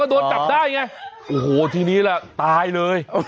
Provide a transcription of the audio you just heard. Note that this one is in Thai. โอ้โหแหละทีนี้ล่ะตายเลย